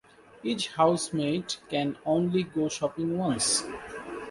Each housemate can only go shopping once.